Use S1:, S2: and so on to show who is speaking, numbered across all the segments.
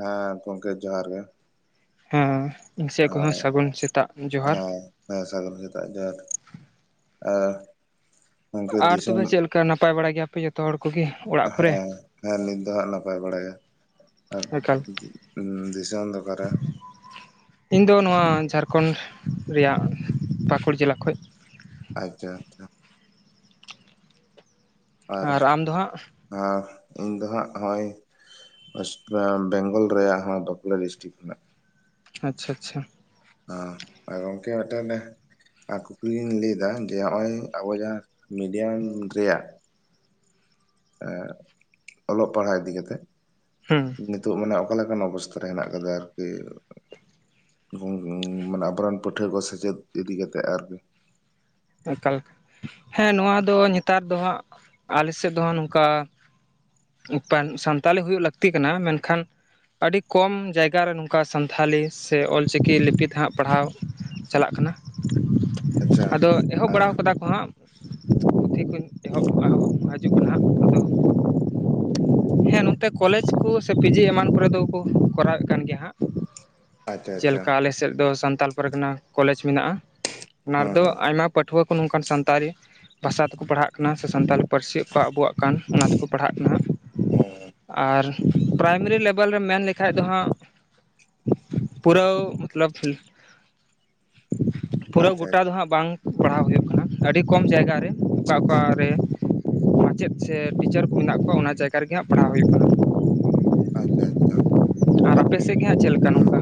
S1: ᱦᱮᱸ ᱜᱚᱝᱠᱮ ᱡᱚᱦᱟᱨ ᱜᱮ
S2: ᱦᱮᱸ ᱤᱧ ᱥᱮᱫ ᱠᱷᱚᱡ ᱦᱚᱸ
S1: ᱦᱮᱸ
S2: ᱥᱟᱹᱜᱩᱱ ᱥᱮᱛᱟᱜ ᱡᱚᱦᱟᱨ
S1: ᱦᱮᱸ ᱦᱮᱸ ᱥᱟᱜᱩᱱ ᱥᱮᱛᱟᱜ ᱡᱚᱦᱟᱨ ᱟᱨ ᱜᱚᱝᱠᱮ
S2: ᱟᱨ
S1: ᱫᱤᱥᱚᱢ
S2: ᱛᱚᱵᱮ ᱪᱮᱫ ᱞᱮᱠᱟ ᱱᱟᱯᱟᱭ ᱵᱟᱲᱟ ᱜᱮᱭᱟᱯᱮ ᱡᱚᱛᱚ ᱦᱚᱲ ᱠᱚᱜᱮ ᱚᱲᱟᱜ ᱠᱚᱨᱮ
S1: ᱦᱮᱸ ᱦᱮᱸ ᱱᱤᱛ ᱫᱚ ᱦᱟᱸᱜ ᱱᱟᱯᱟᱭ ᱵᱟᱲᱟ ᱜᱮ᱾ ᱟᱫ
S2: ᱮᱠᱟᱞ
S1: ᱩᱸᱻ ᱫᱤ ᱫᱤᱥᱚᱢ‌ ᱫᱚ ᱚᱠᱟ ᱨᱮ?
S2: ᱤᱧ ᱫᱚ ᱱᱚᱣᱟ ᱡᱷᱟᱲᱠᱷᱚᱸᱰ ᱨᱮᱭᱟᱜ ᱯᱟᱠᱩᱲ ᱡᱮᱞᱟ ᱠᱷᱚᱱ
S1: ᱟᱪᱪᱷᱟ ᱟᱪᱪᱷᱟ
S2: ᱟᱨ ᱟᱢ ᱫᱚ ᱦᱟᱸᱜ
S1: ᱟᱨ ᱤᱧ ᱫᱚ ᱦᱟᱸᱜ ᱱᱚᱜ-ᱚᱭ ᱵᱮᱝᱜᱚᱞ ᱨᱮᱭᱟᱜ ᱦᱚᱸ ᱵᱟᱸᱠᱩᱲᱟ ᱰᱤᱥᱴᱤᱠ ᱠᱷᱚᱱᱟᱜ
S2: ᱟᱪᱪᱷᱟ ᱟᱪᱪᱷᱟ
S1: ᱟᱜ ᱟ ᱜᱚᱢᱠᱮ ᱢᱤᱫᱴᱮᱱ ᱟᱨ ᱠᱩᱠᱞᱤ ᱞᱤᱧ ᱞᱟᱹᱭ ᱫᱟ ᱡᱮ ᱱᱚᱜ-ᱚᱭ ᱟᱵᱚ ᱡᱟᱦᱟᱸ ᱢᱤᱰᱤᱭᱟᱢ ᱨᱮᱭᱟᱜ ᱮ ᱚᱞᱚᱜ ᱯᱟᱲᱦᱟᱜ ᱤᱫᱤ ᱠᱟᱛᱮᱜ
S2: ᱦᱩᱸ
S1: ᱱᱤᱛᱚᱜ ᱢᱟᱱᱮ ᱚᱠᱟᱞᱮᱠᱟᱱ ᱚᱵᱚᱥᱛᱟ ᱦᱮᱱᱟᱜ ᱟᱠᱟᱫᱟ ᱟᱨᱠᱤ ᱢᱟᱱᱮ ᱟᱵᱚᱨᱮᱱ ᱯᱟᱹᱴᱷᱩᱣᱟᱹ ᱠᱚ ᱥᱮᱪᱮᱫ ᱤᱫᱤ ᱠᱟᱛᱮᱜ ᱟᱨᱠᱤ
S2: ᱮᱠᱟᱞ ᱦᱮᱸ ᱱᱚᱣᱟ ᱫᱚ ᱱᱮᱛᱟᱨ ᱫᱚ ᱦᱟᱸᱜ ᱟᱞᱮ ᱥᱮᱫ ᱫᱚ ᱦᱟᱸᱜ ᱱᱚᱝᱠᱟ ᱥᱟᱱᱛᱟᱲᱤ ᱦᱩᱭᱩᱜ ᱞᱟᱹᱠᱛᱤ ᱠᱟᱱᱟ ᱢᱮᱱᱠᱷᱟᱱ ᱟᱹᱰᱤ ᱠᱚᱢ ᱡᱟᱭᱜᱟ ᱨᱮ ᱱᱚᱝᱠᱟ ᱥᱟᱱᱛᱷᱟᱞᱤ ᱥᱮ ᱚᱞᱪᱤᱠᱤ ᱞᱤᱯᱤ ᱛᱮ ᱦᱟᱸᱜ ᱯᱟᱲᱦᱟᱣ ᱪᱟᱞᱟᱜ ᱠᱟᱱᱟ
S1: ᱟᱪᱪᱷᱟ
S2: ᱟᱫᱚ ᱮᱦᱚᱵ
S1: ᱟᱨ
S2: ᱵᱟᱲᱟ ᱟᱠᱟᱫᱟ ᱠᱚ ᱦᱟᱸᱜ ᱯᱩᱛᱷᱤ ᱠᱚ ᱮᱦᱚᱵ ᱦᱤᱡᱩᱜ ᱠᱟᱱᱟ ᱦᱟᱸᱜ ᱟᱫᱚ
S1: [unintelligible]
S2: ᱦᱮᱸ ᱱᱚᱛᱮ ᱠᱚᱞᱮᱡᱽ ᱠᱚ ᱥᱮ ᱯᱤᱡᱤ ᱮᱢᱟᱱ ᱠᱚᱨᱮ ᱫᱚ ᱠᱚ ᱠᱚᱨᱟᱣ ᱮᱫ ᱠᱟᱱ ᱜᱮᱭᱟ ᱦᱟᱸᱜ
S1: ᱟᱪᱪᱷᱟ ᱟᱪᱪᱷᱟ
S2: ᱡᱮᱞᱮᱠᱟ ᱟᱞᱮ ᱥᱮᱫ ᱫᱚ ᱥᱟᱱᱛᱟᱞ ᱯᱚᱨᱜᱟᱱᱟ ᱠᱚᱞᱮᱡᱽ ᱢᱮᱱᱟᱜᱼᱟ ᱚᱱᱟ
S1: ᱦᱮᱸ
S2: ᱨᱮᱫᱚ
S1: ᱦᱮᱸ
S2: ᱟᱭᱢᱟ ᱯᱟᱹᱴᱷᱩᱣᱟᱹ ᱠᱚ ᱱᱚᱝᱠᱟᱱ ᱥᱟᱱᱛᱟᱲᱤ ᱵᱷᱟᱥᱟ ᱛᱮᱠᱚ ᱯᱟᱲᱦᱟᱜ ᱠᱟᱱᱟ ᱥᱮ ᱥᱟᱱᱛᱟᱲᱤ ᱯᱟᱹᱨᱥᱤ ᱚᱠᱚ ᱟᱵᱚᱣ-ᱟᱜ ᱠᱟᱱ ᱚᱱᱟ ᱛᱮᱠᱚ ᱯᱟᱲᱦᱟᱜ ᱠᱟᱱᱟ
S1: ᱦᱮᱸ
S2: ᱟᱨ ᱯᱨᱟᱭᱢᱟᱨᱤ ᱞᱮᱵᱮᱞ ᱨᱮᱢ ᱢᱮᱱ ᱞᱮᱠᱷᱟᱡ ᱫᱚ ᱦᱟᱸᱜ ᱯᱩᱨᱟᱹ ᱢᱚᱛᱞᱚᱵ ᱯᱩᱨᱟᱹᱣ
S1: ᱟᱪᱪᱷᱟ
S2: ᱜᱚᱴᱟ ᱫᱚ ᱦᱟᱸᱜ ᱵᱟᱝ ᱯᱟᱲᱦᱟᱣ ᱦᱩᱭᱩᱜ ᱠᱟᱱᱟ ᱟᱹᱰᱤ ᱠᱚᱢ ᱡᱟᱭᱜᱟ ᱨᱮ ᱚᱠᱟ ᱚᱠᱟ ᱨᱮ ᱢᱟᱪᱮᱫ ᱥᱮ ᱴᱤᱪᱟᱨ ᱠᱚ ᱢᱮᱱᱟᱜ ᱠᱚᱣᱟ ᱚᱱᱟ ᱡᱟᱭᱜᱟ ᱨᱮᱜᱮ ᱦᱟᱸᱜ ᱯᱟᱲᱦᱟᱣ ᱦᱩᱭᱩᱜ ᱠᱟᱱᱟ
S1: ᱟᱪᱪᱷᱟ ᱟᱪᱪᱷᱟ
S2: ᱟᱨ ᱟᱯᱮ ᱥᱮᱫ ᱜᱮ ᱦᱟᱸᱜ ᱪᱮᱫ ᱞᱮᱠᱟ
S1: ᱦᱮᱸ
S2: ᱱᱚᱝᱠᱟ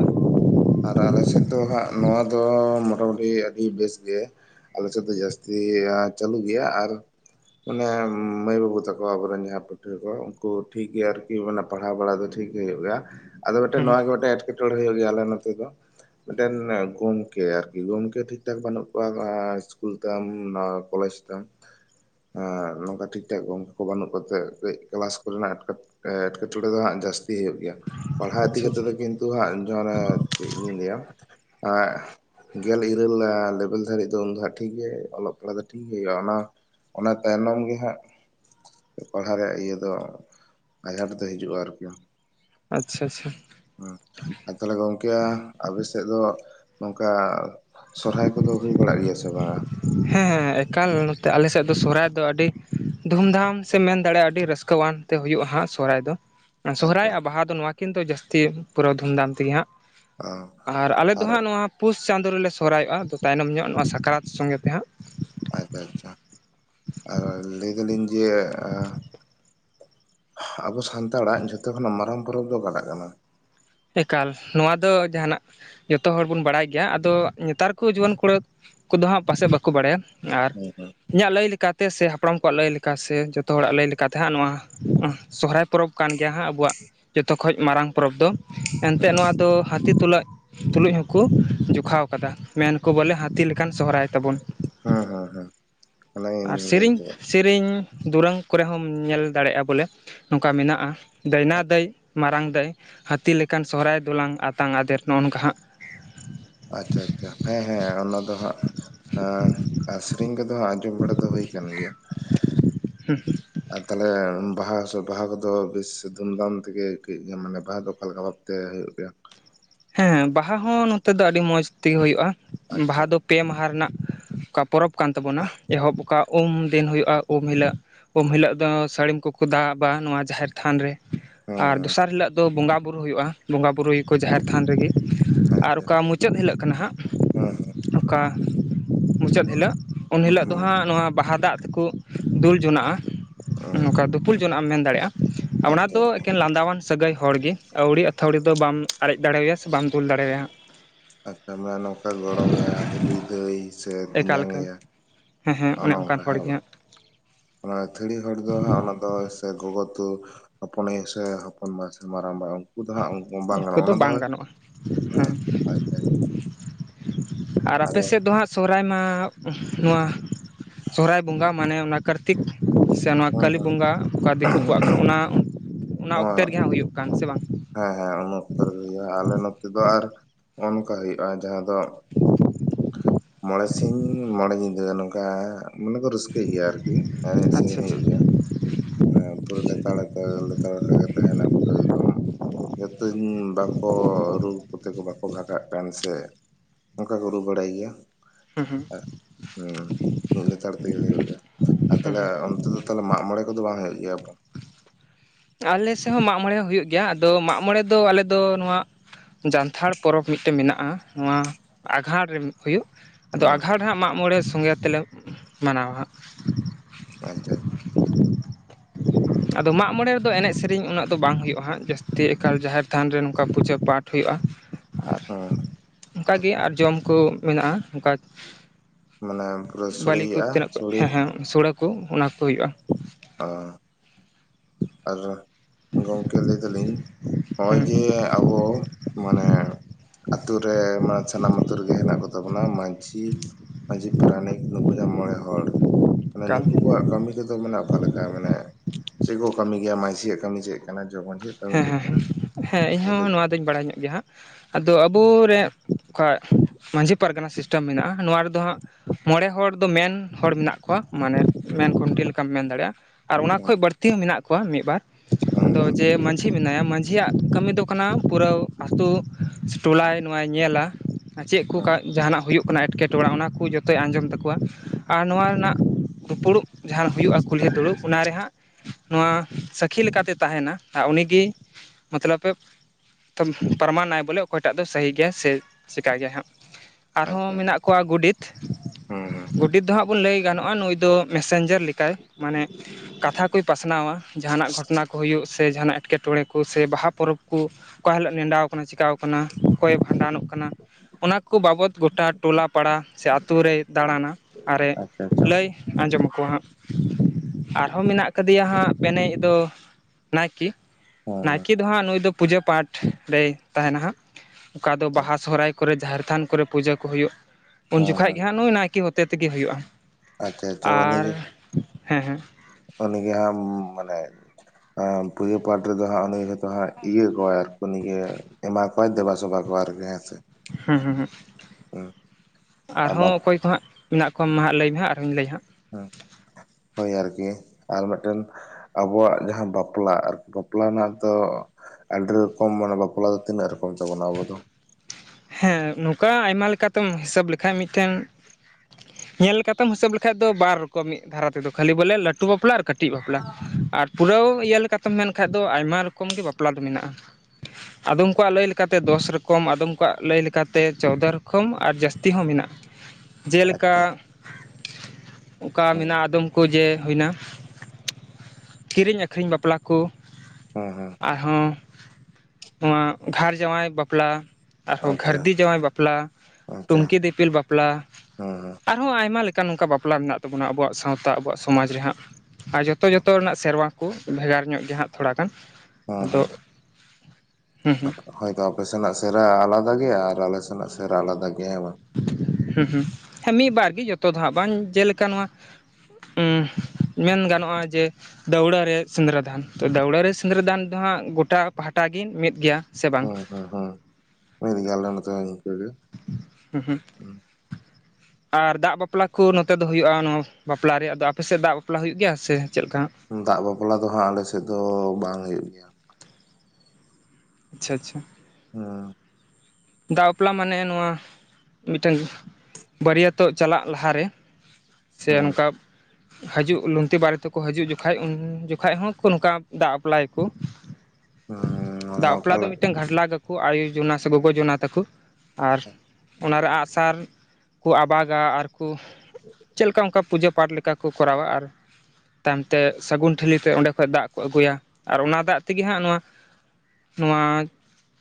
S1: ᱟᱨ ᱟᱞᱮ ᱥᱮᱫ ᱫᱚ ᱦᱟᱸᱜ ᱱᱚᱣᱟ ᱫᱚ ᱢᱳᱴᱟᱢᱩᱴᱤ ᱟᱹᱰᱤ ᱵᱮᱥ ᱜᱮ ᱟᱞᱮ ᱥᱮᱫ ᱫᱚ ᱡᱟᱹᱥᱛᱤ ᱪᱟᱹᱞᱩᱜ ᱜᱮᱭᱟ ᱟᱨ ᱢᱟᱱᱮ ᱢᱟᱹᱭ ᱵᱟᱹᱵᱩ ᱛᱟᱠᱚ ᱟᱵᱚᱨᱮᱱ ᱡᱟᱦᱟᱸᱭ ᱯᱟᱹᱴᱷᱩᱣᱟᱹ ᱠᱚ ᱩᱱᱠᱩ ᱴᱷᱤᱠ ᱜᱮᱭᱟ ᱟᱨᱠᱤ ᱢᱟᱱᱮ ᱯᱟᱲᱦᱟᱣ ᱵᱟᱲᱟ ᱫᱚ ᱴᱷᱤᱠ ᱦᱩᱭᱩᱜ ᱜᱮᱭᱟ ᱟᱫᱚ ᱢᱤᱫᱴᱮᱱ
S2: ᱦᱮᱸ
S1: ᱱᱚᱣᱟ ᱜᱮ ᱢᱤᱫᱴᱮᱡ ᱮᱸᱴᱠᱮᱴᱚᱬᱮ ᱦᱩᱭᱩᱜ ᱜᱮᱭᱟ ᱟᱞᱮ ᱱᱚᱛᱮ ᱫᱚ ᱢᱤᱫᱴᱮᱱ ᱜᱚᱢᱠᱮ ᱟᱨᱠᱤ ᱜᱚᱢᱠᱮ ᱴᱷᱤᱠᱴᱷᱟᱠ ᱵᱟᱹᱱᱩᱜ ᱠᱚᱣᱟ ᱤᱥᱠᱩᱞ ᱛᱟᱢ ᱠᱚᱞᱮᱡᱽ ᱱᱚᱝᱠᱟ ᱴᱷᱤᱠᱴᱷᱟᱠ ᱜᱚᱢᱠᱮ ᱠᱚ ᱵᱟᱹᱱᱩᱜ ᱠᱟᱛᱮ ᱠᱟᱹᱡ ᱠᱞᱟᱥ ᱠᱚ ᱨᱮᱱᱟᱜ ᱮᱴᱠᱮᱴᱚ ᱮᱸᱴᱠᱮᱴᱚᱲᱮ ᱫᱚ ᱦᱟᱸᱜ ᱡᱟᱹᱥᱛᱤ ᱦᱩᱭᱩᱜ ᱜᱮᱭᱟ ᱯᱟᱲᱦᱟᱣ ᱤᱫᱤ
S2: ᱟᱪᱪᱷᱟ
S1: ᱠᱟᱛᱮᱜ
S2: ᱟᱪᱪᱷᱟ
S1: ᱫᱚ ᱠᱤᱱᱛᱩ ᱦᱟᱸᱜ ᱪᱮᱫ ᱤᱧ ᱞᱟᱹᱭ-ᱟ ᱜᱮᱞ ᱤᱨᱟᱹᱞ ᱞᱮᱵᱮᱞ ᱫᱷᱟᱹᱨᱤᱡ ᱫᱚ ᱩᱱ ᱫᱚ ᱦᱟᱜ ᱴᱷᱤᱠ ᱜᱮ ᱚᱞᱚᱜ ᱯᱟᱲᱦᱟᱜ ᱫᱚ ᱴᱷᱤᱠ ᱜᱮ ᱦᱩᱭᱩᱜᱼᱟ ᱚᱱᱟ ᱚᱱᱟ ᱛᱟᱭᱱᱚᱢ ᱜᱮ ᱦᱟᱸᱜ ᱯᱟᱲᱦᱟᱜ ᱨᱮᱭᱟᱜ ᱤᱭᱟᱹ ᱫᱚ ᱟᱸᱡᱷᱟᱴ ᱫᱚ ᱦᱤᱡᱩᱜᱼᱟ ᱟᱨᱠᱤ
S2: ᱟᱪᱪᱷᱟ ᱟᱪᱪᱷᱟ
S1: ᱦᱩᱸ ᱟᱨ ᱛᱟᱦᱚᱞᱮ ᱜᱚᱝᱠᱮ ᱟᱯᱮ ᱥᱮᱫ ᱫᱚ ᱱᱚᱝᱠᱟ ᱥᱚᱨᱦᱟᱭ ᱠᱚᱫᱚ ᱦᱩᱭ ᱵᱟᱲᱟᱜ ᱜᱮᱭᱟ ᱥᱮ ᱵᱟᱝᱟ
S2: ᱦᱮᱸ ᱦᱮᱸ ᱮᱠᱟᱞ ᱱᱚᱛᱮ ᱟᱞᱮᱥᱮᱫ ᱫᱚ ᱥᱚᱦᱨᱟᱭ ᱫᱚ ᱟᱹᱰᱤ ᱫᱷᱩᱢᱫᱷᱟᱢ ᱥᱮ ᱢᱮᱱ ᱫᱟᱲᱮᱭᱟᱜᱼᱟ ᱟᱹᱰᱤ ᱨᱟᱹᱥᱠᱟᱹᱣᱟᱱ ᱛᱮ ᱦᱩᱭᱩᱜᱼᱟ ᱦᱟᱸᱜ ᱥᱚᱦᱨᱟᱭ ᱫᱚ ᱥᱚᱦᱨᱟᱭ
S1: ᱟᱪᱪᱷᱟ
S2: ᱟᱨ ᱵᱟᱦᱟ ᱫᱚ ᱱᱚᱣᱟ ᱠᱤᱱ ᱫᱚ ᱡᱟᱹᱥᱛᱤ ᱯᱩᱨᱟᱹ ᱫᱷᱩᱢᱫᱷᱟᱢ ᱛᱮᱜᱮ ᱦᱟᱸᱜ ᱟᱨ ᱟᱞᱮ ᱫᱚ ᱦᱟᱸᱜ ᱱᱚᱣᱟ ᱯᱩᱥ ᱪᱟᱸᱫᱚ ᱨᱮᱞᱮ ᱥᱚᱨᱦᱟᱭᱚᱜᱼᱟ ᱛᱟᱭᱱᱚᱢ ᱧᱚᱜ ᱱᱚᱣᱟ ᱥᱟᱠᱨᱟᱛ ᱥᱚᱸᱜᱮ ᱛᱮ ᱦᱟᱸᱜ
S1: ᱟᱪᱪᱷᱟ ᱟᱪᱪᱷᱟ ᱟᱨ ᱞᱟᱹᱭ ᱮᱫᱟᱞᱤᱧ ᱡᱮ ᱟᱵᱚ ᱥᱟᱱᱛᱟᱲᱟᱜ ᱡᱷᱚᱛᱚ ᱠᱷᱚᱱᱟᱜ ᱢᱟᱨᱟᱝ ᱯᱚᱨᱚᱵᱽ ᱫᱚ ᱚᱠᱟᱴᱟᱜ ᱠᱟᱱᱟ
S2: ᱮᱠᱟᱞ ᱱᱚᱣᱟ ᱫᱚ ᱡᱟᱦᱟᱱᱟᱜ ᱡᱚᱛᱚ ᱦᱚᱲ ᱵᱚᱱ ᱵᱟᱲᱟᱭ ᱜᱮᱭᱟ ᱟᱫᱚ ᱱᱮᱛᱟᱨ ᱠᱚ ᱡᱩᱣᱟᱹᱱ ᱠᱚᱲᱟ ᱠᱚᱫᱚ ᱦᱟᱸᱜ ᱯᱟᱥᱮᱫ ᱵᱟᱠᱚ ᱵᱟᱲᱟᱭᱟ ᱟᱨ
S1: ᱦᱩᱸ ᱦᱩᱸ
S2: ᱤᱧᱟᱹᱜ ᱞᱟᱹᱭ ᱞᱮᱠᱟᱛᱮ ᱥᱮ ᱦᱟᱯᱲᱟᱢ ᱠᱚᱣᱟᱜ ᱞᱟᱹᱭ ᱞᱮᱠᱟ ᱥᱮ ᱡᱚᱛᱚ ᱦᱚᱲᱟᱜ ᱞᱟᱹᱭ ᱞᱮᱠᱟᱛᱮ ᱦᱟᱸᱜ ᱱᱚᱣᱟ ᱥᱚᱦᱚᱨᱟᱭ ᱯᱚᱨᱚᱵᱽ ᱠᱟᱱ ᱜᱮᱭᱟ ᱦᱟᱸᱜ ᱟᱵᱚᱣᱟᱜ ᱡᱚᱛᱚ ᱠᱷᱚᱡ ᱢᱟᱨᱟᱝ ᱯᱚᱨᱚᱵᱽ ᱫᱚ ᱮᱱᱛᱮᱜ ᱱᱚᱣᱟ ᱫᱚ ᱦᱟᱹᱛᱤ ᱛᱩᱞᱟᱹᱜᱼᱼ ᱛᱩᱞᱩᱡ ᱦᱚᱸᱠᱚ ᱡᱚᱠᱷᱟᱣ ᱟᱠᱟᱫᱟ ᱢᱮᱱᱠᱚ ᱵᱚᱞᱮ ᱦᱟᱹᱛᱤ ᱞᱮᱠᱟᱱ ᱥᱚᱦᱨᱟᱭ ᱛᱟᱵᱚᱱ
S1: ᱦᱩᱸ ᱦᱩᱸ ᱦᱩᱸ ᱚᱱᱟ
S2: ᱟᱨ
S1: ᱜᱤᱧ ᱞᱟᱹᱭ
S2: ᱥᱮᱨᱮᱧ
S1: [unintelligible]
S2: ᱥᱮᱨᱮᱧ ᱫᱩᱨᱟᱹᱝ ᱠᱚᱨᱮ ᱦᱚᱸᱢ ᱧᱮᱞ ᱫᱟᱲᱮᱭᱟᱜᱼᱟ ᱵᱚᱞᱮ ᱱᱚᱝᱠᱟ ᱢᱮᱱᱟᱜᱼᱟ ᱫᱟᱹᱭᱱᱟ ᱫᱟᱹᱭ ᱢᱟᱨᱟᱝ ᱫᱟᱹᱭ ᱦᱟᱹᱛᱤ ᱞᱮᱠᱟᱱ ᱥᱚᱦᱨᱟᱭ ᱫᱚᱞᱟᱝ ᱟᱛᱟᱝ ᱟᱫᱮᱨ ᱱᱚᱜᱼᱚ ᱱᱚᱝᱠᱟ ᱦᱟᱸᱜ
S1: ᱟᱪᱪᱷᱟ ᱟᱪᱪᱷᱟ ᱦᱮᱸ ᱦᱮᱸ ᱚᱱᱟ ᱫᱚ ᱦᱟᱸᱜ ᱟᱸᱻ ᱟᱨ ᱥᱤᱨᱤᱧ ᱠᱚᱫᱚ ᱟᱸᱡᱚᱢ ᱵᱟᱲᱟ ᱫᱚ ᱦᱩᱭ ᱟᱠᱟᱱ ᱜᱮᱭᱟ
S2: ᱦᱩᱸ
S1: ᱟᱨ ᱛᱟᱦᱚᱞᱮ ᱵᱟᱦᱟ ᱥᱮ ᱵᱟᱦᱟ ᱠᱚᱫᱚ ᱵᱮᱥ ᱫᱷᱩᱢᱫᱷᱟᱢ ᱛᱮᱜᱮ ᱟᱹᱭᱠᱟᱹᱜ ᱜᱮ ᱢᱟᱱᱮ ᱵᱟᱦᱟ ᱫᱚ ᱚᱠᱟ ᱞᱮᱠᱟᱼᱼ ᱛᱮ ᱦᱩᱭᱩᱜ ᱜᱮᱭᱟ
S2: ᱦᱮᱸ ᱵᱟᱦᱟ ᱦᱚᱸ ᱱᱚᱛᱮ ᱫᱚ ᱟᱹᱰᱤ ᱢᱚᱸᱡᱽ ᱛᱮᱜᱮ ᱦᱩᱭᱩᱜᱼᱟ
S1: ᱟᱪᱪᱷᱟ
S2: ᱵᱟᱦᱟ ᱫᱚ ᱯᱮ ᱢᱟᱦᱟ ᱨᱮᱱᱟᱜ [unintelligible] ᱯᱚᱨᱚᱵᱽ ᱠᱟᱱ ᱛᱟᱵᱚᱱᱟ ᱮᱦᱚᱵ ᱚᱠᱟ ᱩᱢ ᱫᱤᱱ ᱦᱩᱭᱩᱜᱼᱟ ᱩᱢ ᱦᱤᱞᱚᱜ ᱩᱢ ᱦᱤᱞᱚᱜ ᱫᱚ ᱥᱟᱹᱲᱤᱢ ᱠᱚᱠᱚ ᱫᱟᱵᱟ ᱱᱚᱣᱟ ᱡᱟᱦᱮᱨ ᱛᱷᱟᱱ ᱨᱮ
S1: ᱦᱮᱸ
S2: ᱟᱨ
S1: ᱦᱮᱸ
S2: ᱫᱚᱥᱟᱨ ᱦᱤᱞᱚᱜ ᱫᱚ ᱵᱚᱸᱜᱟᱼ ᱵᱩᱨᱩ ᱦᱩᱭᱩᱜᱼᱟ ᱵᱚᱸᱜᱟ ᱵᱩᱨᱩᱭᱟᱠᱚ ᱡᱟᱦᱮᱨ ᱛᱷᱟᱱ ᱨᱮᱜᱮ ᱟᱨ
S1: ᱟᱪᱪᱷᱟ
S2: ᱚᱠᱟ ᱢᱩᱪᱟᱹᱫ ᱦᱤᱞᱚᱜ ᱠᱟᱱᱟ ᱦᱟᱸᱜ
S1: ᱦᱮᱸ ᱦᱮᱸ
S2: ᱚᱠᱟ ᱢᱩᱪᱟᱹᱫ ᱦᱤᱞᱚᱜ ᱩᱱ ᱦᱤᱞᱚᱜ ᱫᱚ
S1: ᱦᱮᱸ
S2: ᱦᱟᱸᱜ ᱱᱚᱣᱟ ᱵᱟᱦᱟ ᱫᱟᱜ ᱛᱮᱠᱚ ᱫᱩᱞ ᱡᱚᱱᱟᱜᱼᱟ
S1: ᱦᱮᱸ
S2: ᱱᱚᱝᱠᱟ ᱫᱩᱯᱩᱞ ᱡᱚᱱᱟᱜ ᱮᱢ ᱢᱮᱱ ᱫᱟᱲᱮᱭᱟᱜᱼᱟ ᱚᱱᱟ
S1: ᱟᱪᱪᱷᱟ
S2: ᱫᱚ ᱮᱠᱮᱱ ᱞᱟᱸᱫᱟᱣᱟᱱ ᱥᱟᱹᱜᱟᱹᱭ ᱦᱚᱲᱜᱮ ᱟᱹᱣᱲᱤ ᱟᱹᱛᱷᱟᱹᱣᱲᱤ ᱫᱚ ᱵᱟᱢ ᱟᱨᱮᱡ ᱫᱟᱲᱮᱣᱟᱭᱟ ᱥᱮ ᱵᱟᱢ ᱫᱩᱞ ᱫᱟᱲᱮᱣᱟᱭᱟ ᱦᱟᱸᱜ
S1: ᱟᱪᱪᱷᱟ ᱢᱟ ᱱᱚᱝᱠᱟ ᱜᱚᱲᱚᱢᱮᱭᱟ ᱦᱤᱞᱤ ᱫᱟᱹᱭ ᱥᱮ
S2: ᱮᱠᱟᱞ ᱮᱠᱟᱞ
S1: ᱛᱮᱭᱟᱝᱟᱭᱟ
S2: ᱦᱮᱸ ᱦᱮᱸ
S1: ᱚᱱᱮ
S2: ᱚᱱᱠᱟᱱ
S1: ᱚᱱᱠᱟ ᱦᱮᱸ
S2: ᱦᱚᱲᱜᱮ
S1: ᱵᱟᱝ
S2: ᱦᱟᱸᱜ
S1: ᱚᱱᱟ ᱟᱹᱛᱷᱟᱹᱲᱤ ᱦᱚᱲ ᱫᱚ ᱦᱟᱸᱜ ᱚᱱᱟ ᱫᱚ ᱥᱮ ᱜᱚᱜᱚ ᱛᱚ ᱦᱚᱯᱚᱱ ᱟᱭᱳ ᱥᱮ ᱦᱚᱯᱚᱱ ᱵᱟ ᱥᱮ ᱢᱟᱨᱟᱝ ᱵᱟ ᱩᱱᱠᱩ ᱫᱚ ᱦᱟᱸᱜ ᱵᱟᱝ
S2: ᱩᱱᱠᱩ
S1: ᱜᱟᱱᱚᱜᱼᱟ ᱚᱱᱟ ᱫᱚ
S2: ᱵᱟᱝ ᱜᱟᱱᱚᱜᱼᱟ ᱦᱮᱸ
S1: ᱟᱪᱪᱷᱟ
S2: ᱟᱨ ᱟᱯᱮ ᱥᱮᱫ ᱫᱚ ᱦᱟᱸᱜ ᱥᱚᱦᱨᱟᱭ ᱢᱟ ᱱᱚᱣᱟ ᱥᱚᱦᱨᱟᱭ ᱵᱚᱸᱜᱟ ᱢᱟᱱᱮ ᱚᱱᱟ ᱠᱟᱨᱼᱼ ᱛᱤᱠ ᱥᱮ ᱱᱚᱣᱟ
S1: ᱦᱮᱸ
S2: ᱠᱟᱹᱞᱤ
S1: ᱦᱮᱸ
S2: ᱵᱚᱸᱜᱟ ᱚᱠᱟ ᱫᱤᱠᱩ ᱠᱚᱣᱟᱜ ᱠᱟᱱᱟ ᱚᱱᱟ ᱚᱱᱟ
S1: ᱱᱚᱣᱟ
S2: ᱚᱠᱛᱮ ᱨᱮᱜᱮ ᱦᱟᱸᱜ ᱦᱩᱭᱩᱜ ᱠᱟᱱ ᱥᱮ ᱵᱟᱝ
S1: ᱦᱮᱸ ᱦᱮᱸ ᱩᱱ ᱚᱠᱛᱚ ᱨᱮ ᱦᱩᱭᱩᱜ ᱟ ᱟᱞᱮ ᱱᱚᱛᱮ ᱫᱚ ᱟᱨ ᱱᱚᱜ ᱱᱚᱝᱠᱟ ᱦᱩᱭᱩᱜᱼᱟ ᱡᱟᱦᱟᱸ ᱫᱚ ᱢᱚᱬᱮ ᱥᱤᱧ ᱢᱚᱬᱮ ᱧᱤᱫᱟᱹ ᱱᱚᱝᱠᱟ ᱢᱚᱱᱮ ᱫᱚ ᱨᱟᱹᱥᱠᱟᱹᱭ ᱜᱮᱭᱟ ᱟᱨᱠᱤ ᱮᱱᱮᱡ ᱥᱮᱨᱮᱧ
S2: ᱟᱪᱪᱷᱟ ᱟᱪᱪᱷᱟ
S1: ᱦᱩᱭᱩᱜ ᱜᱮᱭᱟ ᱯᱩᱨᱟᱹ ᱞᱮᱛᱟᱲ ᱟᱠᱟ ᱞᱮᱛᱟᱲ ᱟᱠᱟ ᱜᱮ ᱛᱟᱦᱮᱱᱟ ᱯᱩᱨᱟᱹ ᱮᱠᱫᱚᱢ ᱡᱚᱛᱚᱧ ᱵᱟᱠᱚ ᱨᱩ ᱠᱚᱛᱮ ᱠᱚ ᱵᱟᱠᱚ ᱵᱷᱟᱜᱟᱜ ᱠᱟᱱ ᱥᱮ ᱱᱚᱝᱠᱟ ᱠᱚ ᱨᱩ ᱵᱟᱲᱟᱭ ᱜᱮᱭᱟ
S2: ᱦᱮᱸ ᱦᱩᱸ
S1: ᱦᱩᱸ ᱢᱤᱫ ᱞᱮᱛᱟᱲ ᱛᱮᱜᱮ ᱦᱩᱭᱩᱜ ᱜᱮᱭᱟ ᱟᱨ ᱛᱟᱦᱞᱮ ᱚᱱᱛᱮ ᱫᱚ ᱛᱟᱦᱞᱮ ᱢᱟᱜ ᱢᱚᱬᱮ ᱠᱚᱫᱚ ᱵᱟᱝ ᱦᱩᱭᱩᱜ ᱜᱮᱭᱟ ᱵᱟᱝ
S2: ᱟᱞᱮ ᱥᱮᱜ ᱦᱚᱸ ᱢᱟᱜ ᱢᱚᱬᱮ ᱦᱩᱭᱩᱜ ᱜᱮᱭᱟ ᱟᱫᱚ ᱢᱟᱜ ᱢᱚᱬᱮ ᱫᱚ ᱟᱞᱮ ᱫᱚ ᱱᱚᱣᱟ ᱡᱟᱱᱛᱷᱟᱲ ᱯᱚᱨᱚᱵᱽ ᱢᱤᱫᱴᱮᱜ ᱢᱮᱱᱟᱜᱼᱟ ᱱᱚᱣᱟ ᱟᱸᱜᱷᱟᱲ ᱨᱮ ᱦᱩᱭᱩᱜ ᱟᱫᱚ
S1: ᱦᱩᱸ
S2: ᱟᱸᱜᱷᱟᱲ ᱨᱮᱱᱟᱜ ᱢᱟᱜ ᱢᱚᱬᱮ ᱥᱚᱸᱜᱮ ᱛᱮᱞᱮ ᱢᱟᱱᱟᱣᱟ ᱦᱟᱸᱜ
S1: ᱟᱪᱪᱷᱟ ᱾
S2: ᱟᱫᱚ ᱢᱟᱜ ᱢᱚᱬᱮ ᱫᱚ ᱮᱱᱮᱡ ᱥᱮᱨᱮᱧ ᱩᱱᱟᱹᱜ ᱫᱚ ᱵᱟᱝ ᱦᱩᱭᱩᱜᱼᱟ ᱦᱟᱸᱜ ᱡᱟᱹᱥᱛᱤ ᱮᱠᱟᱞ ᱡᱟᱦᱮᱨ ᱛᱷᱟᱱ ᱨᱮ ᱱᱚᱝᱠᱟ ᱯᱩᱡᱟᱹ ᱯᱟᱴ ᱦᱩᱭᱩᱜᱼᱟ ᱟᱨ
S1: ᱦᱚᱸ ᱾
S2: ᱚᱱᱠ ᱜᱮ ᱟᱨ ᱡᱚᱢ ᱠᱚ ᱢᱮᱱᱟᱜᱼᱟ, ᱚᱱᱠᱟ
S1: ᱢᱟᱱᱮ ᱯᱩᱨᱟᱹ
S2: ᱼᱼ
S1: ᱥᱚᱲᱮ
S2: ᱵᱟᱹᱞᱤ ᱠᱚ
S1: ᱦᱩᱭᱩᱜᱼᱟ
S2: ᱛᱤᱱᱟᱹᱜ ᱠᱚ
S1: ᱥᱚᱲᱮ
S2: ᱦᱮᱸ ᱦᱮᱸ ᱥᱩᱲᱟᱹ ᱠᱚ ᱚᱱᱟ ᱠᱚ ᱦᱩᱭᱩᱜᱼᱟ᱾
S1: ᱚᱻ ᱟᱨ ᱜᱚᱢᱠᱮ ᱞᱟᱹᱭ ᱫᱟᱞᱤᱧ ᱱᱚᱜᱼᱚᱭ
S2: ᱦᱮᱸ
S1: ᱡᱮ ᱟᱵᱚ ᱢᱟᱱᱮ ᱼᱼ ᱟᱛᱩᱨ ᱨᱮ ᱢᱟᱱᱮ ᱥᱟᱱᱟᱢ ᱟᱛᱳ ᱨᱮᱜᱮ ᱦᱮᱱᱟᱜ ᱠᱚᱛᱟ ᱵᱚᱱᱟ ᱢᱟᱹᱡᱷᱤ, ᱢᱟᱹᱡᱷᱤ ᱯᱟᱨᱟᱱᱤᱠ ᱱᱩᱠᱩ ᱡᱟᱦᱟᱸ ᱢᱚᱬᱮ ᱦᱚᱲ ᱢᱟᱱᱮ
S2: ᱮᱠᱟᱞ
S1: ᱱᱩᱠᱩ ᱠᱚᱣᱟᱜ ᱠᱟᱹᱢᱤ ᱛᱮᱫᱚ ᱢᱮᱱᱟᱜ ᱼᱼ ᱚᱠᱟ ᱞᱮᱠᱟ ᱢᱟᱱᱮ ᱪᱮᱜ ᱠᱚ ᱠᱟᱹᱢᱤ ᱜᱮᱭᱟ ᱢᱟᱹᱡᱷᱤᱭᱟᱜ ᱠᱟᱹᱢᱤ ᱪᱮᱫ ᱠᱟᱱᱟ ᱡᱚᱠᱢᱟᱹᱡᱷᱤ ᱼᱼ
S2: ᱦᱮᱸ ᱦᱮᱸ ᱦᱮᱸ ᱤᱧᱦᱚ ᱱᱚᱣᱟ ᱫᱚᱧ ᱵᱟᱲᱟᱭ ᱧᱚᱜ ᱜᱮᱭᱟ ᱦᱟᱸᱜ᱾ ᱟᱫᱚ ᱟᱵᱩᱨᱮ ᱚᱠᱟ ᱢᱟᱹᱡᱷᱤ ᱯᱟᱨᱜᱟᱱᱟ ᱥᱤᱥᱴᱮᱢ ᱢᱮᱱᱟᱜᱼᱟ ᱱᱚᱣᱟ ᱨᱮᱫᱚ ᱦᱟᱸᱜ, ᱼᱼ ᱢᱚᱬᱮ ᱦᱚᱲ ᱫᱚ ᱢᱮᱱ ᱦᱚᱲ ᱢᱮᱱᱟᱜ ᱠᱚᱣᱟ ᱢᱟᱱᱮ ᱢᱮᱱ ᱠᱷᱩᱱᱴᱤ ᱞᱮᱠᱟᱢ ᱢᱮᱱ ᱫᱟᱲᱮᱭᱟᱜᱼᱟ ᱾ ᱟᱨ ᱚᱱᱟ ᱠᱷᱚᱡ
S1: ᱦᱩᱸ
S2: ᱵᱟᱹᱲᱛᱤ ᱦᱚᱸ ᱢᱮᱱᱟᱜ ᱠᱚᱣᱟ ᱢᱤᱫ ᱵᱟᱨ,
S1: ᱦᱩᱸ
S2: ᱟᱫᱚ
S1: ᱦᱩᱸ
S2: ᱡᱮ ᱢᱟᱼᱼ ᱡᱷᱤ ᱢᱮᱱᱟᱭᱟ ᱢᱟᱹᱡᱷᱤᱭᱟᱜ ᱠᱟᱹᱢᱤ ᱫᱚ ᱠᱟᱱᱟ ᱯᱩᱨᱟᱹᱣ ᱟᱛᱳ ᱴᱚᱞᱟᱭ ᱱᱚᱣᱟᱭ ᱧᱮᱞᱟ ᱾ ᱪᱮᱫ ᱠᱚ
S1: ᱦᱩᱸ
S2: ᱡᱟᱦᱟᱱᱟᱜ ᱦᱩᱭᱩᱜ ᱠᱟᱱᱟ ᱮᱸᱴᱠᱮᱴᱚᱬᱮ ᱚᱱᱟ ᱠᱚ ᱡᱚᱛᱚᱭ ᱟᱸᱡᱚᱢ ᱛᱟᱠᱚᱣᱟ ᱟᱨ ᱱᱚᱣᱟ ᱨᱮᱱᱟᱜ ᱼᱼ ᱫᱩᱯᱲᱩᱵ ᱡᱟᱦᱟᱸ ᱦᱩᱭᱩᱜᱼᱟ ᱠᱩᱞᱦᱤ ᱫᱩᱲᱩᱵ, ᱚᱱᱟ ᱨᱮ ᱦᱟᱸᱜ ᱱᱚᱣᱟ ᱥᱟᱹᱠᱷᱤ ᱞᱮᱠᱟᱛᱮ ᱛᱟᱦᱮᱱᱟ ᱾ ᱟᱨ ᱩᱱᱤᱜᱤ ᱢᱚᱛᱞᱚᱵ ᱯᱮᱯ ᱼᱼ ᱯᱟᱨᱢᱟᱱᱟᱭ ᱵᱚᱞᱮ ᱚᱠᱚᱭᱴᱟᱜ ᱫᱚ ᱥᱟᱹᱦᱤ ᱜᱮᱭᱟ ᱥᱮ ᱪᱤᱠᱟᱹ ᱜᱮᱭᱟ ᱦᱟᱸᱜ ᱟᱨᱦᱚᱸ
S1: ᱟᱪᱪᱷᱟ
S2: ᱢᱮᱱᱟᱜ ᱼᱼ ᱠᱚᱣᱟᱜ ᱜᱩᱰᱤᱛ
S1: ᱦᱩᱸ ᱦᱩᱸ
S2: ᱼᱼ ᱜᱩᱰᱤᱛ ᱫᱚᱦᱟᱸᱜ ᱵᱚᱱ ᱞᱟᱹᱭ ᱜᱟᱱᱚᱜᱼᱟ ᱱᱩᱭ ᱫᱚ ᱢᱮᱥᱮᱧᱡᱟᱨ ᱞᱮᱠᱟᱭ ᱢᱟᱱᱮ ᱼᱼ ᱠᱟᱛᱷᱟ ᱠᱚᱭ ᱯᱟᱥᱱᱟᱣᱟ, ᱡᱟᱦᱟᱱᱟᱜ ᱜᱷᱚᱴᱚᱱᱟ ᱠᱚ ᱦᱩᱭᱩᱜ ᱥᱮ ᱡᱟᱦᱟᱱᱟᱜ ᱮᱸᱴᱠᱮᱴᱚᱬᱮ ᱠᱚ ᱥᱮ ᱵᱟᱦᱟ ᱯᱚᱨᱚᱵᱽ ᱠᱚ, ᱼᱼ ᱚᱠᱟ ᱦᱤᱞᱳᱜ ᱱᱮᱰᱟᱣ ᱠᱟᱱᱟ ᱪᱤᱠᱟᱣ ᱠᱟᱱᱟ ᱚᱠᱚᱭᱮ ᱵᱷᱟᱸᱰᱟᱱᱚᱜ ᱠᱟᱱᱟ ᱾ ᱚᱱᱟ ᱠᱚ ᱵᱟᱵᱚᱛ ᱜᱚᱴᱟ ᱴᱚᱞᱟ ᱯᱟᱲᱟ ᱥᱮ ᱟᱛᱳ ᱨᱮ ᱫᱟᱬᱟᱱᱟ, ᱟᱨᱮ
S1: ᱟᱪᱪᱷᱟ ᱟᱪᱪᱷᱟ
S2: ᱼᱼ ᱞᱟᱹᱭ ᱟᱸᱡᱚᱢ ᱟᱠᱚᱣᱟ ᱦᱟᱸᱜ ᱟᱨᱦᱚᱸ ᱢᱮᱱᱟᱜ ᱠᱟᱫᱮᱭᱟ ᱦᱟᱸᱜ ᱵᱮᱱᱮᱡ ᱫᱚ ᱼᱼ ᱱᱟᱭᱠᱤ,
S1: ᱦᱩᱸ ᱦᱩᱸ
S2: ᱱᱟᱭᱠᱤ ᱫᱚ ᱦᱟᱸᱜ ᱱᱩᱭ ᱫᱚ ᱯᱩᱡᱟᱹ ᱯᱟᱴ ᱨᱮᱭ ᱛᱟᱦᱮᱱᱟ ᱦᱟᱸᱜ ᱾ ᱚᱠᱟ ᱫᱚ ᱵᱟᱦᱟ ᱥᱚᱦᱨᱟᱭ ᱠᱚᱨᱮ ᱡᱟᱦᱮᱨ ᱛᱷᱟᱱ ᱠᱚᱨᱮ ᱯᱩᱡᱟᱹ ᱠᱚ ᱦᱩᱭᱩᱜ ᱼᱼ ᱩᱱ
S1: ᱦᱩᱸ ᱦᱩᱸ
S2: ᱡᱚᱠᱷᱮᱡ ᱜᱮ ᱦᱟᱸᱜ ᱱᱩᱭ ᱱᱟᱭᱠᱮ ᱦᱚᱛᱮ ᱛᱮᱜᱮ ᱦᱩᱭᱩᱜᱼᱟ,
S1: ᱟᱪᱪᱷᱟ ᱟᱪᱪᱷᱟ
S2: ᱟᱨ ᱦᱮᱸ ᱦᱮᱸ ᱼᱼ
S1: ᱩᱱᱤ ᱜᱮ ᱦᱟᱸᱜ ᱢᱟᱱᱮ ᱯᱩᱡᱟᱹ ᱯᱟᱴ ᱨᱮᱫᱚ ᱦᱟᱸᱜ ᱩᱱᱤ ᱼᱼ ᱛᱚ ᱦᱟᱸᱜ ᱤᱭᱟᱹ ᱠᱚᱣᱟᱭ ᱟᱨ ᱠᱚᱱᱤᱜᱮ ᱮᱢᱟ ᱠᱚᱣᱟᱭ ᱫᱮᱵᱟ ᱥᱮᱵᱟ ᱠᱚᱣᱟ ᱟᱨᱠᱤ ᱦᱮᱸ ᱥᱮ?
S2: ᱦᱩᱸ ᱦᱩᱸ ᱦᱩᱜ
S1: ᱟᱨ
S2: ᱟᱨᱦᱚᱸ
S1: ᱵᱟᱯ
S2: ᱚᱠᱚᱭ ᱠᱚ ᱦᱟᱸᱜ ᱢᱮᱱᱟᱜ ᱠᱚᱣᱟ ᱢᱟ ᱦᱟᱸᱜ ᱞᱟᱹᱭ ᱢᱮ ᱦᱟᱸᱜ ᱟᱨᱦᱚᱸᱧ ᱞᱟᱹᱭᱟ ᱦᱟᱸᱜ ᱾
S1: ᱦᱩᱸ ᱦᱳᱭ ᱟᱨᱠᱤ ᱟᱨ ᱢᱤᱫᱴᱮᱱ ᱼᱼ ᱟᱵᱚᱣᱟᱜ ᱡᱟᱦᱟᱸ ᱵᱟᱯᱞᱟ ᱟᱨᱠᱤ ᱵᱟᱯᱞᱟ ᱨᱮᱱᱟᱜ ᱫᱚ ᱼᱼ ᱟᱹᱰᱤ ᱨᱚᱠᱚᱢ ᱢᱟᱱᱮ ᱵᱟᱯᱞᱟ ᱫᱚ ᱛᱤᱱᱟᱹᱜ ᱨᱚᱠᱚᱢ ᱛᱟᱵᱚᱱᱟ ᱟᱵᱚ ᱫᱚ?
S2: ᱦᱮᱸ ᱱᱚᱝᱠᱟ ᱟᱭᱢᱟ ᱞᱮᱠᱟᱛᱮᱢ ᱦᱤᱥᱟᱹᱵ ᱞᱮᱠᱷᱟᱡ ᱢᱤᱫᱴᱮᱱ ᱼᱼ
S1: [inaudible]
S2: ᱧᱮᱞ ᱠᱟᱛᱮᱢ ᱦᱤᱥᱟᱹᱵ ᱞᱮᱠᱷᱟᱡ ᱫᱚ ᱵᱟᱨ ᱨᱚᱠᱚᱢ ᱢᱤᱫ ᱫᱷᱟᱨᱟ ᱛᱮᱫᱚ ᱠᱷᱟᱹᱞᱤ ᱵᱚᱞᱮ ᱞᱟᱹᱴᱩ ᱵᱟᱯᱞᱟ ᱟᱨ ᱠᱟᱹᱴᱤᱡ ᱵᱟᱯᱞᱟ, ᱟᱨ ᱼᱼ ᱯᱩᱨᱟᱹᱣ ᱤᱭᱟᱹ ᱞᱮᱠᱟᱛᱮᱢ ᱢᱮᱱᱠᱷᱟᱱ ᱫᱚ ᱟᱭᱢᱟ ᱨᱚᱠᱚᱢ ᱜᱮ ᱵᱟᱯᱞᱟ ᱫᱚ ᱢᱮᱱᱟᱜᱼᱟ ᱾ ᱟᱫᱚ ᱩᱱᱠᱚᱣᱟᱜ ᱞᱟᱹᱭ ᱞᱮᱠᱟᱛᱮ ᱫᱚᱥᱨᱟ ᱼᱼ ᱠᱚᱢ ᱟᱫᱚᱢ ᱠᱚᱣᱟᱜ ᱞᱟᱹᱭ ᱞᱮᱠᱟᱛᱮ ᱪᱳᱣᱫᱟ ᱨᱚᱠᱚᱢ ᱟᱨ ᱡᱟᱹᱥᱛᱤ ᱦᱚᱸ ᱢᱮᱱᱟᱜᱼᱟ, ᱡᱮᱞᱮᱠᱟ
S1: ᱟᱪᱪᱷᱟ
S2: ᱼᱼ ᱚᱠᱟ
S1: ᱦᱩᱸ
S2: ᱢᱮᱱᱟᱜᱼᱟ ᱟᱫᱚᱢ ᱠᱚ ᱡᱮ ᱦᱩᱭᱱᱟ ᱼᱼ ᱠᱤᱨᱤᱧ ᱟᱹᱠᱷᱨᱤᱧ ᱵᱟᱯᱞᱟ ᱠᱚ ᱾
S1: ᱦᱩᱸ ᱦᱩᱸ
S2: ᱟᱨᱦᱚᱸ ᱱᱚᱣᱟ ᱜᱷᱟᱨ ᱡᱟᱶᱟᱭ ᱵᱟᱯ ᱼᱼ ᱵᱟᱯᱞᱟ ᱟᱨᱦᱚᱸ
S1: ᱟᱪᱪᱷᱟ
S2: ᱜᱷᱟᱹᱨᱫᱤ ᱡᱟᱶᱟᱭ ᱵᱟᱯᱞᱟ,
S1: ᱟᱪᱪᱷᱟ
S2: ᱴᱩᱝᱠᱤ ᱫᱤᱯᱤᱞ ᱵᱟᱯᱞᱟ ᱾
S1: ᱦᱩᱸ ᱦᱩᱸ
S2: ᱟᱨ ᱦᱚᱸ ᱟᱭᱢᱟ ᱞᱮᱠᱟᱱ ᱱᱚᱝᱠᱟ ᱵᱟᱯᱞᱟ ᱢᱮᱱᱟᱜ ᱛᱟᱵᱚᱱᱟ ᱟᱵᱚᱣᱟᱜ ᱥᱟᱶᱛᱟ ᱟᱵᱚᱣᱟᱜ ᱥᱚᱢᱟᱡ ᱨᱮ ᱦᱟᱸᱜ᱾ ᱟᱨ ᱡᱚᱛᱚ ᱡᱚᱛᱚ ᱨᱮᱱᱟᱜ ᱥᱮᱨᱣᱟ ᱠᱚ ᱵᱷᱮᱜᱟᱨ ᱧᱚᱜ ᱜᱮᱭᱟ ᱦᱟᱸᱜ ᱛᱷᱚᱲᱟ ᱜᱟᱱ᱾ ᱟᱫᱚ
S1: ᱦᱮᱸᱦᱮᱸ᱾
S2: ᱦᱩᱸ ᱦᱩᱸ᱾
S1: ᱦᱳᱭ ᱛᱚ ᱟᱯᱮ ᱥᱮᱱ ᱟᱜ ᱥᱮᱨᱣᱟ ᱟᱞᱟ ᱫᱟ ᱜᱮᱭᱟ, ᱟᱨ ᱟᱞᱮ ᱥᱮᱱᱟᱜ ᱥᱮᱨᱣᱟ ᱟᱞᱟᱫᱟ ᱜᱮᱭᱟ ᱦᱮᱸ ᱵᱟᱝ?
S2: ᱦᱩᱸ ᱦᱩᱸ ᱢᱤᱫ ᱵᱟᱨ ᱜᱮ ᱡᱚᱛᱚ ᱫᱚ ᱦᱟᱸᱜ ᱵᱟᱝ ᱡᱮᱞᱮᱠᱟ ᱱᱚᱣᱟ ᱩᱸ ᱢᱮᱱ ᱜᱟᱱᱚᱜᱼᱟ ᱡᱮ ᱫᱟᱹᱣᱲᱟᱹ ᱨᱮ ᱥᱤᱸᱫᱽᱨᱟᱹᱫᱟᱱ ᱫᱟᱹᱣᱲᱟᱹ ᱨᱮ ᱥᱤᱸᱫᱽᱨᱟᱹ ᱫᱟᱱ ᱫᱚ ᱦᱟᱸᱜ ᱜᱚᱴᱟ ᱯᱟᱦᱟᱴᱟ ᱢᱤᱫ ᱜᱮᱭᱟ᱾ ᱥᱮ ᱵᱟᱝ
S1: ᱦᱩᱸᱦᱩᱸ [unintelligible]
S2: [unintelligible]
S1: [inaudible]
S2: ᱟᱨ ᱫᱟᱜ ᱵᱟᱯᱞᱟ ᱠᱩ ᱱᱚᱛᱮ ᱫᱚ ᱦᱩᱭᱩᱜᱼᱟ ᱱᱚᱣᱟ ᱵᱟᱯᱞᱟ ᱨᱮᱭᱟᱜ ᱫᱚ ᱟᱯᱮ ᱥᱮᱫ ᱫᱟᱜ ᱵᱟᱯᱞᱟ ᱦᱩᱭᱩᱜ ᱜᱮᱭᱟ, ᱥᱮ ᱪᱮᱫᱮ ᱞᱮᱠᱟ?
S1: ᱫᱟᱜ ᱵᱟᱯᱞᱟ ᱫᱚ ᱦᱟᱸᱜ ᱟᱞᱮ ᱥᱮᱫ ᱫᱚ ᱵᱟᱝ ᱦᱚᱭᱚᱜ ᱜᱮᱭᱟ ᱾
S2: ᱟᱪᱪᱷᱟ ᱟᱪᱪᱷᱟ
S1: [unintelligible]
S2: ᱫᱟᱜ ᱵᱟᱯᱞᱟ ᱢᱟᱱᱮ ᱱᱚᱣᱟ ᱢᱤᱫ ᱴᱟᱝ ᱵᱟᱹᱨᱭᱟᱹᱛᱚᱜ ᱪᱟᱞᱟᱜ ᱞᱟᱦᱟ ᱨᱮ ᱥᱮ
S1: ᱦᱩᱸ
S2: ᱱᱚᱝᱠᱟ ᱦᱟᱡᱩᱜ ᱞᱩᱝᱛᱤ ᱵᱟᱨᱮ ᱛᱚᱜ ᱠᱚ ᱦᱟᱡᱩᱜ ᱡᱚᱠᱷᱟᱡ ᱩᱱ ᱡᱚᱠᱷᱟᱡ ᱦᱚᱸᱠᱚ ᱱᱚᱝᱠᱟ ᱫᱟᱜ ᱵᱟᱯᱞᱟᱭᱟ ᱠᱚ
S1: ᱦᱩᱸ
S2: ᱾
S1: ᱢᱟᱱᱮ
S2: ᱫᱟᱜ
S1: ᱚᱠᱟ
S2: ᱵᱟᱯᱞᱟ ᱫᱚ ᱢᱤᱫ
S1: ᱞᱮᱠᱟ
S2: ᱴᱟᱝ ᱜᱷᱟᱴᱞᱟ ᱜᱟᱠᱚ ᱟᱭᱳ ᱡᱚᱱᱟ ᱥᱮ ᱜᱚᱜᱚ ᱡᱚᱱᱟ ᱛᱟᱠᱚ ᱟᱨ ᱚᱱᱟᱨᱮ ᱟᱸᱜᱼᱥᱟᱨ ᱠᱚ ᱟᱵᱟᱜᱼᱟ ᱟᱨ [unintelligible] ᱪᱮᱫ ᱞᱮᱠᱟ ᱚᱝᱠᱟ ᱯᱩᱡᱟᱹ ᱯᱟᱴ ᱞᱮᱠᱟ ᱠᱚ ᱠᱚᱨᱟᱣᱟ ᱟᱨ ᱛᱟᱭᱚᱢ ᱛᱮ ᱥᱟᱹᱜᱩᱱ ᱴᱷᱤᱞᱤ ᱛᱮ ᱚᱸᱰᱮ ᱠᱷᱚᱡ ᱫᱟᱜ ᱠᱚ ᱟᱹᱜᱩᱭᱟ ᱟᱨ ᱚᱱᱟ ᱫᱟᱜ ᱛᱮ ᱜᱮ ᱦᱟᱸᱜ ᱱᱚᱣᱟ ᱱᱚᱣᱟ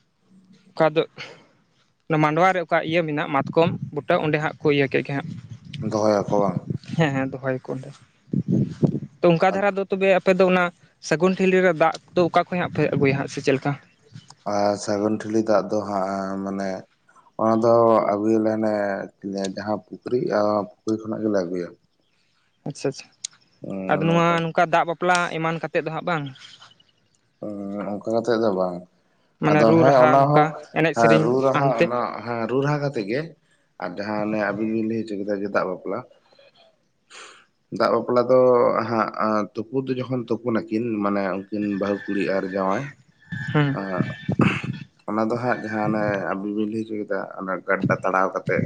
S2: [unintelligible] ᱚᱱᱟ ᱢᱟᱰᱣᱟ ᱨᱮ ᱚᱠᱟ ᱤᱭᱟᱹ ᱢᱮᱱᱟᱜ ᱢᱟᱛᱠᱚᱢ ᱵᱩᱴᱟᱹ ᱚᱸᱰᱮ ᱦᱟᱸᱜ ᱠᱚ ᱤᱭᱟᱹ ᱠᱮᱫ ᱜᱮ ᱦᱟᱸᱜ ᱾
S1: ᱫᱚᱦᱚ ᱭᱟᱠᱚ ᱵᱟᱝ
S2: ᱦᱮᱸ ᱦᱮᱸ ᱫᱚᱦᱚᱭᱟᱠᱚ ᱚᱸᱰᱮ ᱚᱝᱠᱟ ᱫᱷᱟᱨᱟ ᱫᱚ ᱛᱚᱵᱮ ᱟᱯᱮ ᱫᱚ ᱚᱱᱟ ᱥᱟᱹᱜᱩᱱ ᱴᱷᱤᱞᱤ ᱨᱮ ᱫᱟᱜ ᱫᱚ ᱚᱠᱟ ᱠᱷᱚᱡ ᱦᱟᱸᱜ ᱯᱮ ᱟᱹᱜᱩᱭᱼᱟ ᱦᱟᱸᱜ ᱥᱮ ᱪᱮᱫ ᱞᱮᱠᱟ?
S1: ᱟᱨ ᱥᱟᱹᱜᱩᱱ ᱴᱷᱤᱞᱤ ᱫᱟᱜ ᱫᱚ ᱦᱟᱸᱜ ᱢᱟᱱᱮ ᱚᱱᱟ ᱫᱚ ᱟᱹᱜᱩᱭ ᱟᱞᱮ ᱦᱟᱱᱮ ᱡᱟᱸᱦᱟ ᱯᱩᱠᱷᱨᱤᱜᱼᱟ ᱟᱨ ᱚᱱᱟ ᱯᱩᱠᱷᱨᱤ ᱠᱷᱚᱱᱟᱜ ᱜᱮ ᱞᱮ ᱟᱹᱜᱩᱭᱟ ᱾
S2: ᱟᱪᱪᱷᱟ-ᱟᱪᱪᱷᱟ ᱟᱫᱚ ᱱᱚᱣᱟ ᱱᱚᱝᱠᱟ ᱫᱟᱜ ᱵᱟᱯᱞᱟ ᱮᱢᱟᱱ ᱠᱟᱛᱮᱫ ᱫᱚ ᱦᱟᱸᱜ ᱵᱟᱝ?
S1: ᱚᱝᱠᱟ ᱠᱟᱛᱮᱜ ᱫᱚ ᱵᱟᱝ
S2: ᱢᱟᱱᱮ
S1: ᱟᱫᱚ
S2: ᱨᱩ
S1: ᱦᱮᱸ
S2: ᱨᱟᱦᱟ
S1: ᱚᱱᱟ ᱦᱚᱸ
S2: ᱱᱚᱝᱠᱟ ᱮᱱᱮᱡ
S1: ᱨᱩ
S2: ᱥᱮᱨᱮᱧ
S1: ᱨᱟᱹᱦᱟ
S2: ᱦᱟᱱᱛᱮ
S1: ᱚᱱᱟ ᱨᱩ ᱨᱟᱦᱟ ᱠᱟᱛᱮᱜ ᱜᱮ ᱟᱨ ᱡᱟᱸᱦᱟ ᱟᱵᱤᱱ ᱵᱤᱱ ᱞᱟᱹᱭ ᱦᱚᱪᱚ ᱠᱮᱫᱟ ᱡᱮ ᱫᱟᱜ ᱵᱟᱯᱞᱟ [unintelligible] ᱫᱟᱜ ᱵᱟᱯᱞᱟ ᱫᱚ ᱦᱟᱸᱜ ᱛᱩᱯᱩ ᱫᱚ ᱡᱚᱠᱷᱚᱱ ᱛᱩᱯᱩᱱ ᱟᱠᱤᱱ ᱢᱟᱱᱮ ᱩᱱᱠᱤᱱ ᱵᱟᱹᱦᱩ ᱠᱩᱲᱤ ᱟᱨ ᱡᱟᱶᱟᱭ
S2: ᱦᱩᱸ
S1: ᱚᱱᱟ ᱫᱚ ᱦᱟᱸᱜ ᱡᱟᱸᱦᱟ ᱚᱱᱮ ᱟᱵᱤᱱ ᱵᱤᱱ ᱞᱟᱹᱭ ᱦᱚᱪᱚ ᱠᱮᱫ ᱚᱱᱟ ᱜᱟᱰᱰᱷᱟ ᱛᱟᱲᱟᱣ ᱠᱟᱛᱮᱫ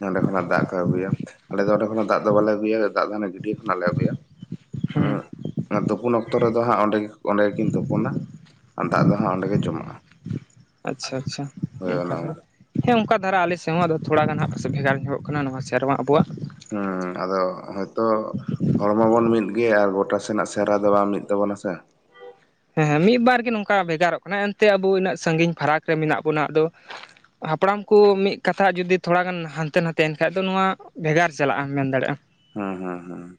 S1: ᱱᱚᱸᱰᱮ ᱠᱷᱚᱱᱟᱜ ᱫᱟᱜ ᱠᱚ ᱟᱹᱜᱩᱭᱟ ᱟᱞᱮ ᱫᱚ ᱚᱸᱰᱮ [unintelligible] ᱫᱟᱜ ᱫᱚ ᱵᱟᱞᱮ ᱟᱹᱜᱩᱭᱟ ᱫᱟᱜ ᱫᱚ ᱦᱟᱱᱮ ᱜᱟᱹᱰᱭᱟᱹ ᱠᱷᱚᱱᱟᱜ ᱞᱮ ᱟᱹᱜᱩᱭᱟ
S2: ᱦᱩᱸ
S1: ᱾ ᱛᱩᱯᱩᱱ ᱚᱠᱛᱚ ᱨᱮᱫᱚ ᱦᱟᱸᱜ ᱚᱸᱰᱮ ᱜᱮᱠᱤᱱ ᱛᱩᱯᱩᱱᱟ ᱫᱟᱜ ᱫᱚ ᱦᱟᱸᱜ ᱚᱸᱰᱮ ᱜᱮ ᱡᱚᱢᱟᱜᱼᱟ᱾
S2: ᱟᱪᱪᱷᱟ ᱟᱪᱪᱷᱟ
S1: ᱦᱳᱭ ᱚᱱᱮ ᱚᱱᱠᱟ
S2: [unintelligible] ᱦᱮᱸ ᱚᱝᱠᱟ ᱫᱷᱟᱨᱟ ᱟᱞᱮ ᱥᱮᱫ ᱦᱚᱸ ᱟᱫᱚ ᱛᱷᱚᱲᱟ ᱜᱟᱱ ᱦᱟᱸᱜ ᱵᱷᱮᱜᱟᱨ ᱵᱷᱮᱜᱟᱨ ᱧᱚᱜ ᱠᱟᱱᱟ ᱱᱚᱣᱟ ᱥᱮᱨᱣᱟ ᱟᱵᱚᱣᱟᱜ ᱾
S1: ᱦᱩᱸ ᱟᱫᱚ ᱦᱚᱭ ᱛᱚ ᱦᱚᱲ ᱢᱟ ᱵᱚᱱ ᱢᱤᱫ ᱜᱮᱭᱟ ᱟᱨ ᱜᱚᱴᱟ ᱥᱮᱱᱟᱜ ᱥᱮᱨᱣᱟ ᱫᱚ ᱵᱟᱝ ᱢᱤᱫ ᱛᱟᱵᱚᱱᱟ ᱥᱮ ᱾
S2: ᱦᱮᱸ ᱦᱮᱸ ᱢᱤᱫ ᱵᱟᱨ ᱜᱮ ᱱᱚᱝᱠᱟ ᱵᱷᱮᱜᱟ ᱨᱚᱜ ᱠᱟᱱᱟ ᱮᱱᱛᱮ ᱟᱵᱚ ᱩᱱᱟᱹᱜ ᱥᱟᱸᱜᱤᱧ ᱯᱷᱟᱨᱟᱠ ᱨᱮ ᱢᱮᱱᱟᱜ ᱵᱚᱱᱟ ᱟᱫᱚ ᱾ ᱦᱟᱯᱲᱟᱢ ᱠᱚ ᱢᱤᱫ ᱠᱟᱛᱷᱟ ᱡᱩᱫᱤ ᱛᱷᱚᱲᱟ ᱜᱟᱱ ᱦᱟᱱᱛᱮ ᱱᱟᱛᱮᱭ ᱮᱱᱠᱷᱟᱱ ᱫᱚ ᱱᱚᱣᱟ ᱵᱷᱮᱜᱟᱨ ᱪᱟᱞᱟᱜᱼᱟ ᱢᱮᱱ ᱫᱟᱲᱮᱭᱟᱜᱼᱟ ᱟᱢ ᱾
S1: ᱦᱩᱸ ᱦᱩᱸ ᱦᱩᱸ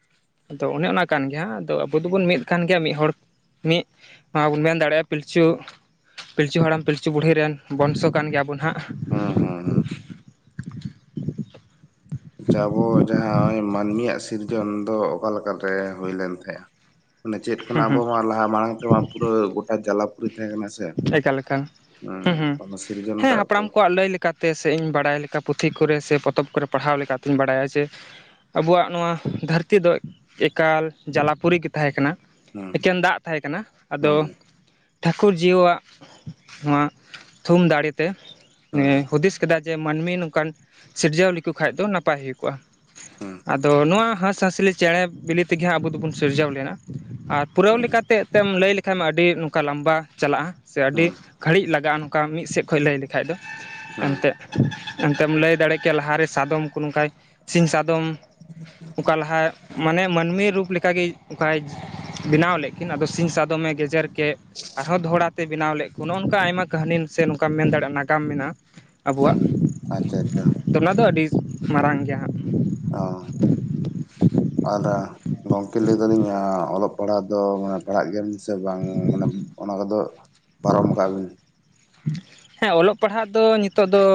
S2: ᱟᱫᱚ ᱚᱱᱮ ᱚᱱᱟ ᱠᱟᱱ ᱜᱮᱭᱟ ᱦᱟᱸᱜ ᱟᱫᱚ ᱟᱵᱚ ᱫᱚᱵᱚᱱ ᱢᱤᱫ ᱠᱟᱱ ᱜᱮᱭᱟ ᱢᱤᱫ ᱦᱚᱲ ᱢᱤᱫ ᱱᱚᱣᱟ ᱵᱚᱱ ᱢᱮᱱ ᱫᱟᱲᱮᱭᱟᱜᱼᱟ ᱯᱤᱞᱪᱩ ᱯᱤᱞᱪᱩ ᱦᱟᱲᱟᱢ ᱯᱤᱞᱪᱩ ᱵᱩᱲᱦᱤ ᱨᱮᱱ ᱵᱚᱱᱥᱚ ᱠᱟᱱ ᱜᱮᱭᱟ ᱵᱚᱱ ᱦᱟᱸᱜ ᱾
S1: ᱦᱩᱸ ᱦᱩᱸ ᱦᱩᱸ ᱟᱪᱪᱷᱟ ᱟᱵᱚ ᱡᱟᱸᱦᱟ ᱢᱟᱹᱱᱢᱤ ᱭᱟᱜ ᱥᱤᱨᱡᱚᱱ ᱫᱚ ᱚᱠᱟ ᱞᱮᱠᱟ ᱛᱮ ᱦᱩᱭ ᱞᱮᱱ ᱛᱟᱦᱮᱜᱼᱟ? ᱢᱟᱱᱮ ᱪᱮᱫ
S2: ᱦᱩᱸ
S1: ᱠᱷᱚᱱᱟᱜ ᱟᱵᱚ
S2: ᱦᱩᱸ
S1: ᱢᱟ ᱞᱟᱦᱟ ᱢᱟᱲᱟᱝ ᱛᱮᱢᱟ ᱯᱩᱨᱟᱹ ᱜᱚᱴᱟ ᱡᱟᱞᱟ ᱯᱩᱨᱤ ᱛᱟᱦᱮᱸ ᱠᱟᱱᱟ? ᱥᱮ
S2: ᱮᱠᱟᱞ ᱮᱠᱟᱞ
S1: ᱦᱩᱸ
S2: ᱦᱮᱸ ᱦᱮᱸ
S1: ᱚᱱᱟ ᱥᱤᱨᱡᱚᱱ
S2: ᱦᱮᱸ
S1: ᱴᱟᱜ ᱫᱚ
S2: ᱦᱟᱯᱲᱟᱢ ᱠᱣᱟᱜ ᱞᱟᱹᱭᱼᱼ ᱠᱟᱛᱮ ᱥᱮ ᱤᱧ ᱵᱟᱲᱟᱭ ᱞᱮᱠᱟ ᱯᱩᱛᱷᱤ ᱠᱚᱨᱮ ᱥᱮ ᱯᱚᱛᱚᱵ ᱠᱚᱨᱮ ᱯᱟᱲᱦᱟᱣ ᱞᱮᱠᱟ ᱞᱮᱠᱟᱛᱮᱧ ᱵᱟᱲᱟᱭᱟ ᱡᱮ ᱟᱵᱚᱣᱟᱜ ᱱᱚᱣᱟ ᱫᱷᱟᱹᱨᱛᱤ ᱫᱚ ᱮᱠᱟᱞ ᱡᱟᱞᱟᱯᱩᱨᱤ ᱜᱮ ᱛᱟᱦᱮᱸ ᱠᱟᱱᱟ
S1: ᱦᱩᱸ
S2: ᱾ ᱮᱠᱮᱱ ᱫᱟᱜ ᱛᱟᱦᱮᱸ ᱠᱟᱱᱟ ᱟᱫᱚ
S1: ᱦᱩᱸ
S2: ᱴᱷᱟᱠᱩᱨ ᱡᱤᱭᱟᱹᱣᱟᱜ ᱱᱚᱣᱟ ᱛᱷᱩᱢ ᱫᱟᱲᱮ ᱛᱮ
S1: ᱦᱩᱸ
S2: ᱱᱮ ᱦᱩᱫᱤᱥ ᱠᱮᱫᱟ ᱡᱮ ᱢᱟᱹᱱᱢᱤ ᱱᱚᱝᱠᱟᱱ ᱥᱤᱨᱡᱟᱹᱣ ᱞᱮᱠᱚ ᱠᱷᱟᱱ ᱫᱚ ᱱᱟᱯᱟᱭ ᱦᱩᱭ ᱠᱚᱜᱼᱟ᱾
S1: ᱦᱩᱸ
S2: ᱟᱫᱚ ᱱᱚᱣᱟ ᱦᱟᱸᱥᱼᱦᱟᱸᱥᱞᱤ ᱪᱮᱬᱮ ᱵᱤᱞᱤ ᱛᱮᱜᱮᱟᱸ ᱟᱵᱚ ᱫᱚᱵᱚᱱ ᱥᱤᱨᱡᱟᱹᱣ ᱞᱮᱱᱟ ᱟᱨ ᱯᱩᱨᱟᱹᱣ
S1: ᱦᱩᱸ
S2: ᱞᱮᱠᱟᱛᱮ ᱾ ᱛᱮᱢ ᱞᱟᱹᱭ ᱞᱮᱠᱷᱟᱱ ᱢᱟ ᱟᱹᱰᱤ ᱱᱚᱝᱠᱟ ᱞᱟᱢᱵᱟ ᱪᱟᱞᱟᱜᱼᱟ ᱥᱮ ᱟᱹᱰᱤ
S1: ᱦᱩᱸ
S2: ᱜᱷᱟᱹᱲᱤᱡ ᱞᱟᱜᱟᱜᱼᱟ ᱱᱚᱝᱠᱟ ᱢᱤᱫ ᱥᱮᱫ ᱠᱷᱚᱡ ᱞᱟᱹᱭ ᱞᱮᱠᱷᱟ ᱫᱚ
S1: ᱦᱩᱸ
S2: ᱮᱱᱛᱮ ᱮᱱᱛᱮᱢ ᱞᱟᱹᱭ ᱫᱟᱲᱮᱭᱟᱜ ᱠᱮᱭᱟ ᱞᱟᱦᱟᱨᱮ ᱥᱟᱫᱚᱢ ᱠᱚ ᱱᱚᱝᱠᱟ ᱥᱤᱧ ᱥᱟᱫᱚᱢ ᱾ ᱚᱠᱟ ᱞᱟᱦᱟ ᱢᱟᱱᱮ ᱢᱟᱹᱱᱢᱤ ᱨᱩᱯ ᱞᱮᱠᱟᱜᱮ ᱚᱱᱠᱟᱭ ᱾ ᱵᱮᱱᱟᱣ ᱞᱮᱫ ᱠᱤᱱ ᱟᱫᱚ ᱥᱤᱧ ᱥᱟᱫᱚᱢᱮ ᱜᱮᱡᱮᱨ ᱠᱮᱫ ᱾ ᱟᱨᱦᱚᱸ ᱫᱚᱦᱲᱟ ᱛᱮ ᱵᱮᱱᱟᱣ ᱞᱮᱫ ᱠᱚ ᱱᱚᱜᱼᱚ ᱱᱚᱝᱠᱟ ᱟᱭᱢᱟ ᱠᱟᱹᱦᱱᱤ ᱥᱮ ᱱᱚᱝᱠᱟᱢ ᱢᱮᱱ ᱫᱟᱲᱮᱭᱟᱜᱼᱟ ᱱᱟᱜᱟᱢ ᱢᱮᱱᱟᱜᱼᱟ ᱾ ᱟᱵᱚᱣᱟᱜ
S1: ᱦᱩᱸ ᱟᱪᱪᱷᱟ, ᱟᱪᱪᱷᱟ ᱾
S2: ᱟᱫᱚ ᱚᱱᱟᱫᱚ ᱟᱹᱰᱤ ᱢᱟᱨᱟᱝ ᱜᱮᱭ ᱦᱟᱸᱜ ᱾
S1: ᱚ ᱾ ᱟᱫᱚ ᱜᱚᱢᱠᱮ ᱞᱟᱹᱭ ᱫᱟᱞᱤᱧ ᱚᱞᱚᱜ ᱯᱟᱲᱦᱟᱜ ᱫᱚ ᱯᱟᱲᱦᱟᱜ ᱜᱮᱭᱟᱵᱤᱱ ᱥᱮ ᱵᱟᱝ? ᱢᱟᱱᱮ ᱚᱱᱟ ᱠᱚᱫᱚ ᱯᱟᱨᱚᱢ ᱟᱠᱟᱜ ᱵᱤᱱ ᱾
S2: ᱦᱮᱸ ᱚᱞᱚᱜ ᱯᱟᱲᱦᱟᱜ ᱫᱚ ᱱᱤᱛᱳᱜ ᱫᱚ